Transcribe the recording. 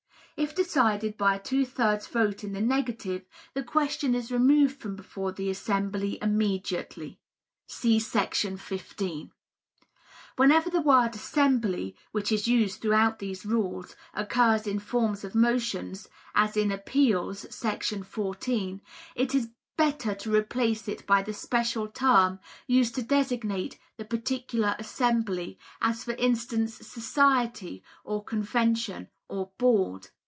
If decided by a two thirds vote in the negative, the question is removed from before the assembly immediately [see § 15]. Whenever the word "assembly," which is used throughout these rules, occurs in forms of motions (as in Appeals, § 14), it is better to replace it by the special term used to designate the particular assembly; as for instance, "Society," or "Convention," or "Board."